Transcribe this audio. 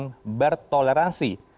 dalam kehidupan bertoleransi